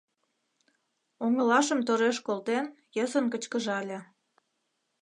Оҥылашым тореш колтен, йӧсын кечкыжале: